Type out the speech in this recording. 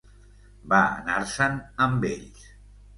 Va anar-se'n amb ells.